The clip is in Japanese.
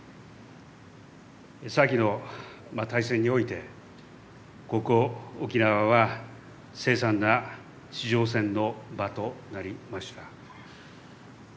先の大戦において、ここ沖縄は凄惨な地上戦の場となりました。